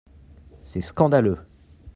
C’est scandaleux !